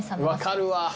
分かるわ。